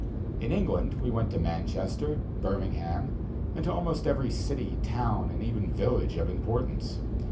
In England we went to Manchester, Birmingham, and to almost every city, town, and even village of importance.